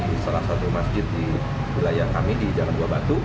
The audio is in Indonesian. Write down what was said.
di salah satu masjid di wilayah kami di jalan buah batu